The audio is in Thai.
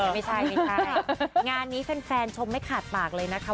ไม่ใช่ไม่ใช่งานนี้แฟนชมไม่ขาดปากเลยนะคะ